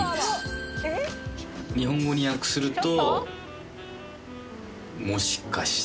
日本語に訳すると。